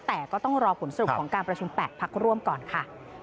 แต่ก็ต้องรอผลสรุปของการประชุม๘พักร่วมก่อนค่ะ